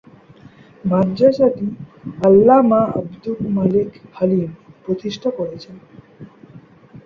মাদ্রাসাটি আল্লামা আবদুল মালেক হালিম প্রতিষ্ঠা করেছেন।